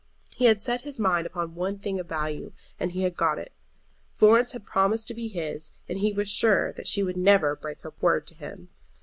He had set his mind upon one thing of value, and he had got it. Florence had promised to be his, and he was sure that she would never break her word to him.